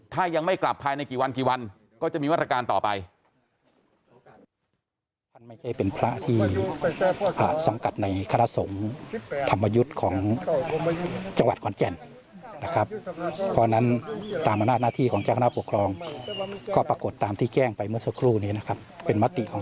ถ้ายังไม่กลับภายในกี่วันกี่วันก็จะมีมาตรการต่อไป